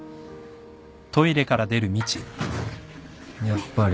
やっぱり。